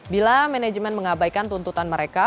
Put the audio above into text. bila manajemen mengabaikan tuntutan mereka